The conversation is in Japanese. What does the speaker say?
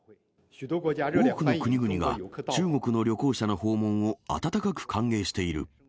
多くの国々が中国の旅行者の訪問を温かく歓迎している。